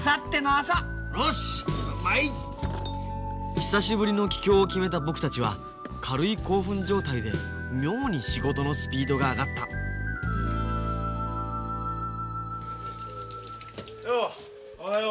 久しぶりの帰郷を決めた僕たちは軽い興奮状態で妙に仕事のスピードが上がったようおはよう。